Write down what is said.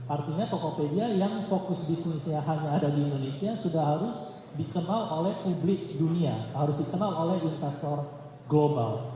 artinya tokopedia yang fokus bisnisnya hanya ada di indonesia sudah harus dikenal oleh publik dunia harus dikenal oleh investor global